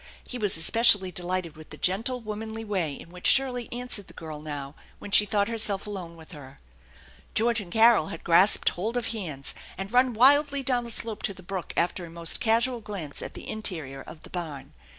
He was especially delighted with the gentle, womanly way in which Shirley answered the girl now when she thought herself alone with her. George nnd Carol had grasped hold of hands and run wildly down the slope to the brook after a most casual glance at the interior of the barn.